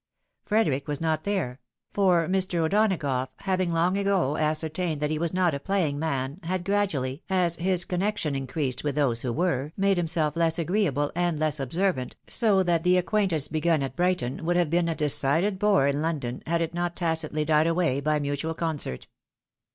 Frederic was not there : for Mr. O'Donagough, having long ago ascertained that he was not a playing man, had gradually, as his connection increased with those who were, made liimself less agreeable, and less observant, so that the acquaintance begun at Brighton would have been a decided bore in London, had it not tacitly died away by mutiial concert.